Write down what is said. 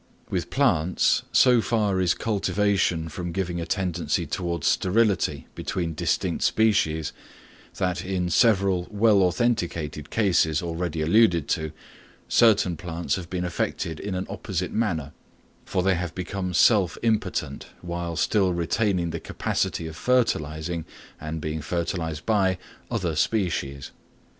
With plants, so far is cultivation from giving a tendency towards sterility between distinct species, that in several well authenticated cases already alluded to, certain plants have been affected in an opposite manner, for they have become self impotent, while still retaining the capacity of fertilising, and being fertilised by, other species.